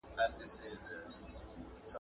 ایا د مسواک کارول د غاښونو روغتیا تضمینوي؟